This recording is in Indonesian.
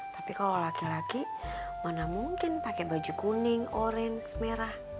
tapi kalau laki laki mana mungkin pakai baju kuning orange merah